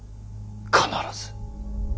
必ず。